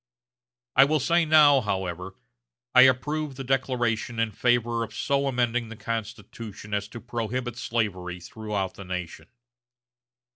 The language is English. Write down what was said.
I will say now, however, I approve the declaration in favor of so amending the Constitution as to prohibit slavery throughout the nation.